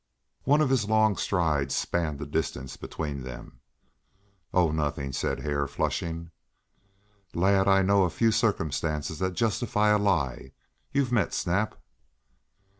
One of his long strides spanned the distance between them. "Oh, nothing," said Hare, flushing. "Lad, I know of few circumstances that justify a lie. You've met Snap."